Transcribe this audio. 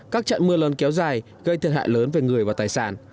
các trận mưa lớn kéo dài gây thiệt hại lớn về người và tài sản